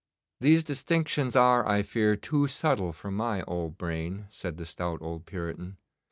'These distinctions are, I fear, too subtle for my old brain,' said the stout old Puritan.